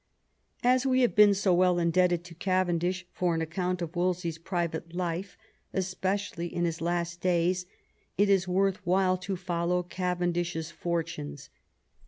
As we have been so much indebted to Cavendish for an account of Wolse3r's private life, especially in his last days, it is worth while to follow Cavendish's fortunes.